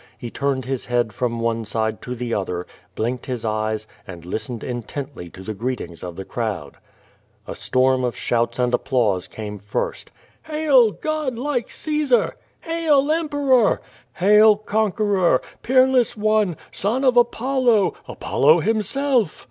He turned his head from one side to the other, blinked his eyes, and listened intently to the greetings of the crowd. A storm of shouts and applause came first. "Hail, godlike Caesar! Hail Emperor! Hail Conqueror, Peerless one, Son of Apollo, Apollo himself!"